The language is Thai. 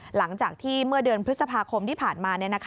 หลังจากที่เมื่อเดือนพฤษภาคมที่ผ่านมา